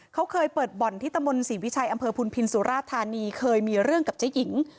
เขาเคยเปิดบ่อนที่ตะมนต์ศรีวิชัยอำเภอพุนพินสุราธานีเคยมีเรื่องกับเจ๊หญิง